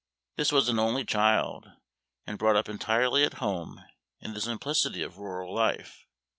This was an only child, and brought up entirely at home in the simplicity of rural life.